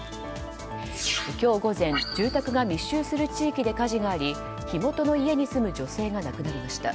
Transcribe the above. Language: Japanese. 今日午前、住宅が密集する地域で火事があり火元の家に住む女性が亡くなりました。